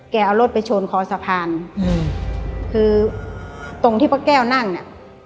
เอารถไปชนคอสะพานอืมคือตรงที่ป้าแก้วนั่งเนี่ย